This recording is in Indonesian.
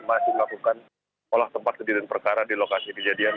masih melakukan olah tempat kejadian perkara di lokasi kejadian